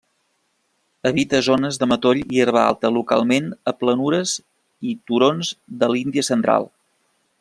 Habita zones de matoll i herba alta localment a planures i turons de l'Índia Central.